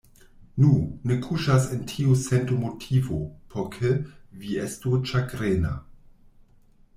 Nu, ne kuŝas en tiu sento motivo, por ke vi estu ĉagrena.